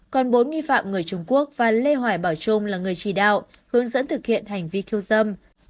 còn bốn nghi phạm người trung quốc và lê hoài bảo trung là người chỉ đạo hướng dẫn thực hiện hành vi khiêu dâm